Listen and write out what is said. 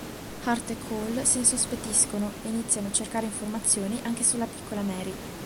Hart e Cohle s'insospettiscono e iniziano a cercare informazioni anche sulla piccola Marie.